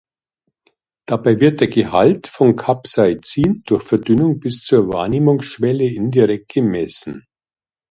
Dabei wird der Gehalt von Capsaicin durch Verdünnung bis zur Wahrnehmungsschwelle indirekt gemessen.